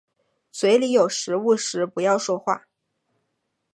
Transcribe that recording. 嘴里有食物时不要说话。